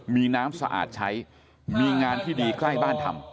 มีน้ำสะอาดใช้มีงานที่ดีใกล้บ้านทำ